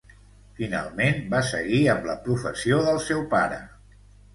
Finalment, va seguir amb la professió del seu pare.